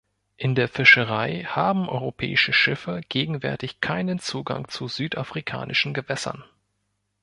In der Fischerei haben europäische Schiffe gegenwärtig keinen Zugang zu südafrikanischen Gewässern.